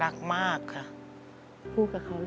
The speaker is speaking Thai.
แต่ที่แม่ก็รักลูกมากทั้งสองคน